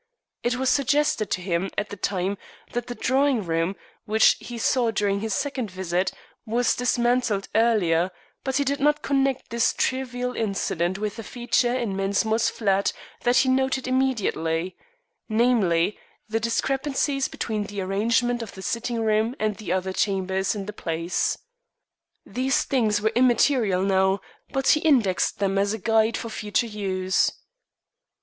It was suggested to him at the time that the drawing room, which he saw during his second visit, was dismantled earlier, but he did not connect this trivial incident with the feature in Mensmore's flat that he noted immediately namely, the discrepancies between the arrangement of the sitting room and the other chambers in the place. These things were immaterial now, but he indexed them as a guide for future use.